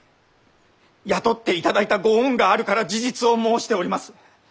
雇っていただいたご恩があるから事実を申しております。